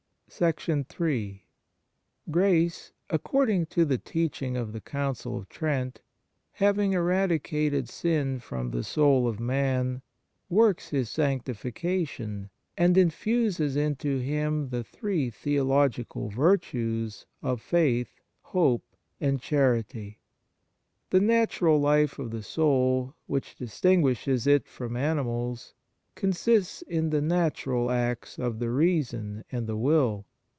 in GRACE, according to the teaching of rthe Council of Trent, having eradi cated sin from the soul of man, works his sanctification, and infuses into him the 1 Rorn. viii. i. 91 THE MARVELS OF DIVINE GRACE three theological virtues of faith, hope, and charity. The natural life of the soul, which dis tinguishes it from animals, consists in the natural acts of the reason and the will.